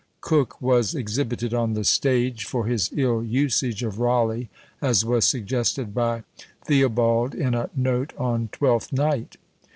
Coke was exhibited on the stage for his ill usage of Rawleigh, as was suggested by Theobald in a note on Twelfth Night.